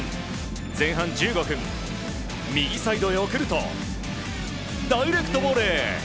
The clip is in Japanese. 前半１５分、右サイドへ送るとダイレクトボレー！